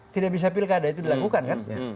tidak bisa pilkada itu dilakukan kan